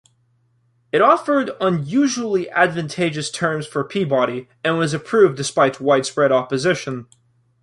It offered unusually advantageous terms for Peabody and was approved despite widespread opposition.